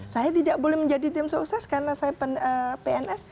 saya tidak boleh menjadi tim sukses karena saya pns